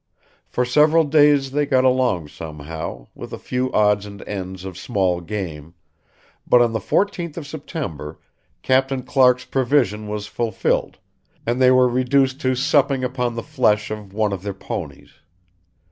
For several days they got along somehow, with a few odds and ends of small game; but on the 14th of September, Captain Clark's prevision was fulfilled, and they were reduced to supping upon the flesh of one of their ponies.